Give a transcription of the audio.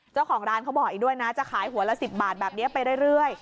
เจ้าของร้านเขาบอกอีกด้วยนะจะขายหัวละ๑๐บาทแบบนี้ไปเรื่อย